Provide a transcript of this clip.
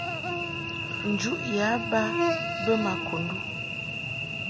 Njuʼ yǎ ba bə ma Kundu.